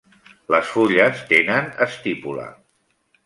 Les fulles tenen estípula.